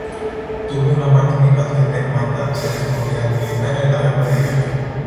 Tuvo una participación de comandancia de esta unidad militar en la guerra de Irak.